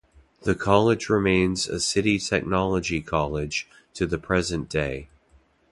The college remains a City Technology College to the present day.